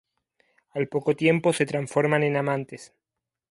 Al poco tiempo se transforman en amantes.